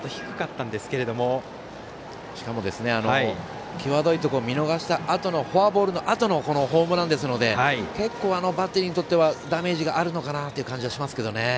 しかも、きわどいところ見逃したあとのフォアボールのあとのホームランですので結構、バッテリーにとってはダメージあるのかなという感じはしますね。